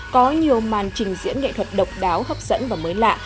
có nhiều màn trình diễn nghệ thuật độc đáo hấp dẫn và mới lạ